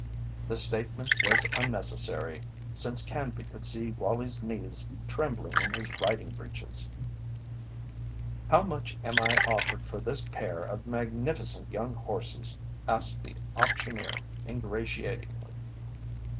The statement was unnecessary, since Canby could see Wallie's knees trembling in his riding breeches. "How much am I offered for this pair of magnificent young horses?" asked the auctioneer, ingratiatingly.